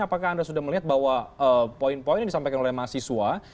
apakah anda sudah melihat bahwa poin poin yang disampaikan oleh mahasiswa